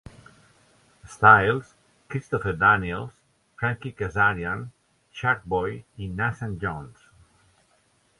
Styles, Christopher Daniels, Frankie Kazarian, Shark Boy i Nathan Jones.